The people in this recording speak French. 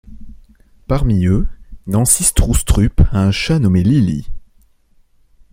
Parmi eux, Nancy Stroustrup a un chat nommé Lily.